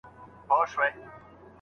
عقل په پیسو نه رانیول کېږي.